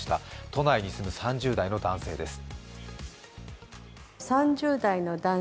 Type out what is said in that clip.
都内に住む３０代の男性です。